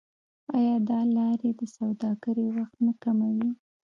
آیا دا لارې د سوداګرۍ وخت نه کموي؟